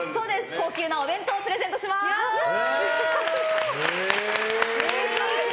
高級なお弁当をプレゼントします。